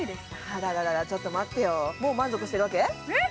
あららら、ちょっと待ってよ、もう満足してるわけ？